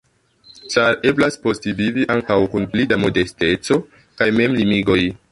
Ĉar eblas postvivi ankaŭ kun pli da modesteco kaj memlimigoj.